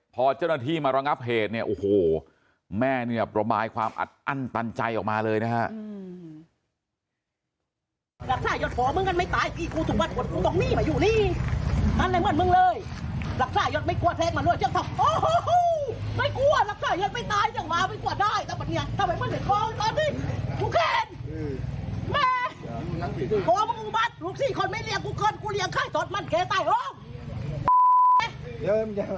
พอเจ้าหน้าที่มาระงับเหตุเนี่ยโอ้โหแม่เนี่ยประมายความอัดอั้นตันใจออกมาเลยนะฮะ